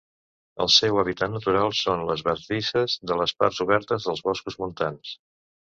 El seu hàbitat natural són les bardisses de les parts obertes dels boscos montans.